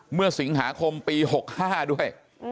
เมื่อสิงหาคมปี๖๕ด้วย